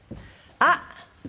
あっ！